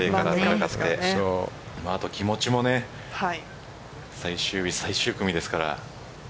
気持ちも最終日、最終組ですから。